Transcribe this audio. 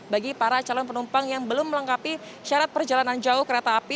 bagi para calon penumpang yang belum melengkapi syarat perjalanan jauh kereta api